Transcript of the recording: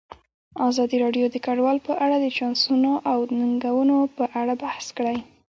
ازادي راډیو د کډوال په اړه د چانسونو او ننګونو په اړه بحث کړی.